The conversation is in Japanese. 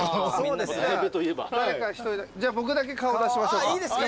じゃあ僕だけ顔出しましょうか。